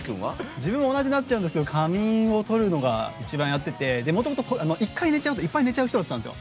自分、同じになっちゃうんですが仮眠を取るのが一番やっててもともと、一回寝ちゃうといっぱい寝ちゃう人だったんですよ。